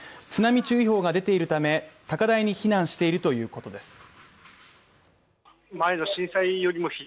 津波注意報が出ているため、高台に避難しているということです。